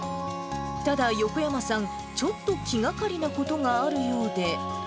ただ、横山さん、ちょっと気がかりなことがあるようで。